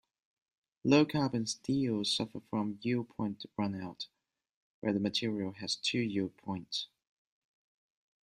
Low-carbon steels suffer from "yield-point runout" where the material has two yield points.